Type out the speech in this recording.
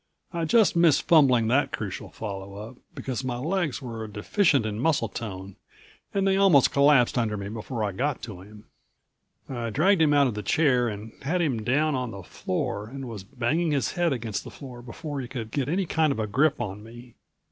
I just missed fumbling that crucial follow up, because my legs were deficient in muscle tone and they almost collapsed under me before I got to him. I dragged him out of the chair and had him down on the floor and was banging his head against the floor before he could get any kind of grip on me.